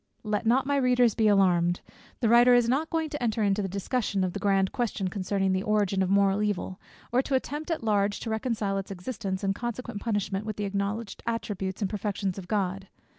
Let not my readers be alarmed! The writer is not going to enter into the discussion of the grand question concerning the origin of moral evil, or to attempt at large to reconcile its existence and consequent punishment with the acknowledged attributes and perfections of God.